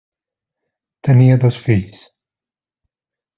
Tenia dos fills: